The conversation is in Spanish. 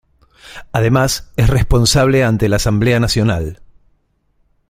Además, es responsable ante la Asamblea Nacional.